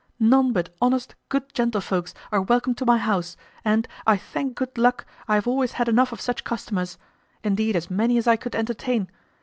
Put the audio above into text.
None but honest, good gentlefolks, are welcome to my house; and, I thank good luck, I have always had enow of such customers; indeed as many as I could entertain.